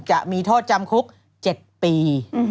จะมีโทษจำคุก๗ปี